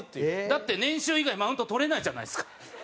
だって年収以外マウント取れないじゃないですか。